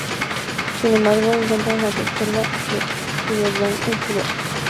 Sin embargo, encuentran la rareza de Hildebrand en su boca.